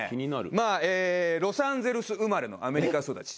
まあロサンゼルス生まれのアメリカ育ち。